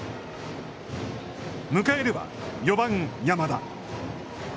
迎えるは、４番山田。